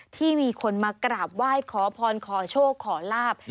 ที่มีคนมากราบไหว้ขอพรขอโชคขอลาบ